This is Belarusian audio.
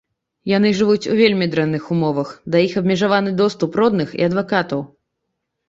Яны жывуць у вельмі дрэнных умовах, да іх абмежаваны доступ родных і адвакатаў.